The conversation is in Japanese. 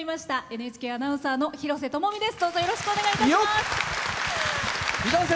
ＮＨＫアナウンサーの廣瀬智美です。